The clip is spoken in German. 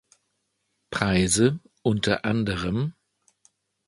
Preise: unter anderem